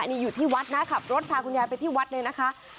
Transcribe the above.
นี่อยู่ที่วัดนะขับรถพาคุณยายไปที่วัดเลยนะคะ